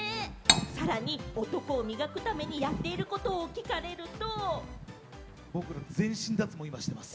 さらに男を磨くためにやっていることを聞かれると。